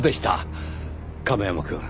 亀山くん。